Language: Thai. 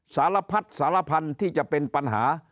สารพัดสารพันธุ์ที่จะเป็นปัญหา